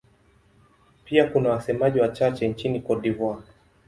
Pia kuna wasemaji wachache nchini Cote d'Ivoire.